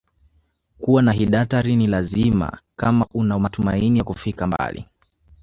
Kuwa na hidarati ni lazima kama una matumaini ya kufika mbali